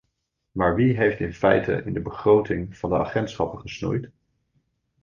Maar wie heeft in feite in de begroting van de agentschappen gesnoeid?